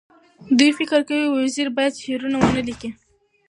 دوی فکر کوي وزیر باید شعر ونه لیکي.